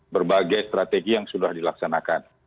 berbagai strategi yang sudah dilaksanakan